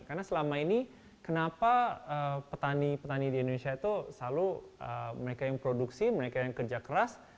karena selama ini kenapa petani petani di indonesia itu selalu mereka yang produksi mereka yang kerja keras